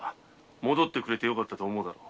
「戻ってくれてよかった」と思うだろう。